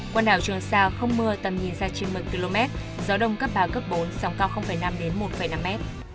quần đảo trường sa không mưa tầm nhìn xa trên một mươi km gió đông cấp ba cấp bốn sóng cao năm đến một năm m